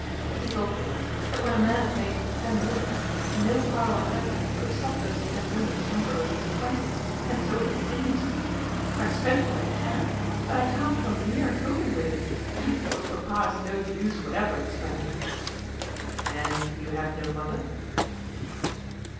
He told me once that when a man had made ten millions no power on earth could stop those ten millions from growing into twenty. And so it continues. I spend what I can, but I can't come near coping with it; and of course Papa is no use whatever at spending.' 'And you have no mother?